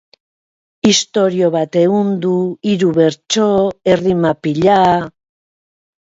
Istorio bat ehundu, hiru bertso, errima pila...